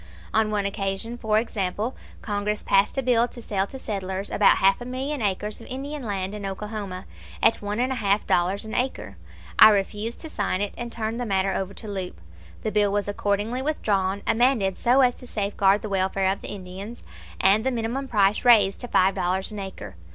On one occasion, for example, Congress passed a bill to sell to settlers about half a million acres of Indian land in Oklahoma at one and a half dollars an acre. I refused to sign it, and turned the matter over to Leupp. The bill was accordingly withdrawn, amended so as to safeguard the welfare of the Indians, and the minimum price raised to five dollars an acre.